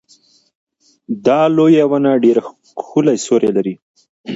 دا لویه ونه ډېر ښکلی سیوری لري.